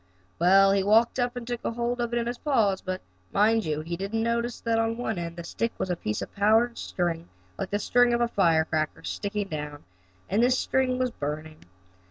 Well, he walked up and took hold of it in his paws, but, mind you, he didn't notice that on one end of the stick was a piece of powder string, like the string of a firecracker, sticking down, and this string was burning.